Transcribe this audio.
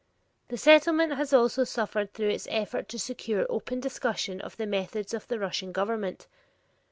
The Settlement has also suffered through its effort to secure open discussion of the methods of the Russian government.